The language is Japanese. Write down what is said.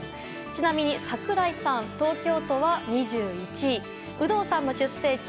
ちなみに櫻井さん東京都は２１位有働さんの出生地